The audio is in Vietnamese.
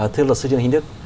thưa luật sư trương hình đức